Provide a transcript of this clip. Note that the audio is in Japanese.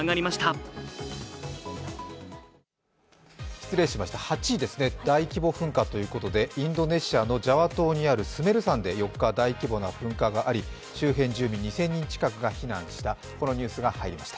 失礼しました、８位でした、大規模噴火ということでインドネシアのジャワ島にあるスメル山で４日、大規模な噴火があり周辺住民２０００人近くが避難したというニュースが入りました。